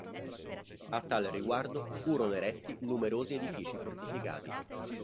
A tal riguardo furono eretti numerosi edifici fortificati.